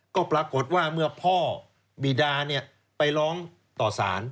ก็ปรากฏว่าเมื่อพ่อบีดาไปร้องต่อสาร